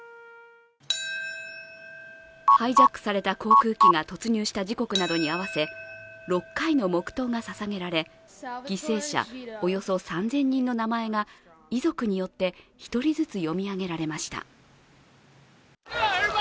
ハイジャックされた航空機が突入した時刻などに合わせ６回の黙とうがささげられ、犠牲者およそ３０００人の名前が遺族によって１人ずつ読み上げられました。